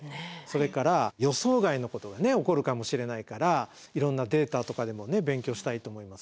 それから「予想外のことが起こるかもしれないからいろんなデータとかでも勉強したいと思います」って。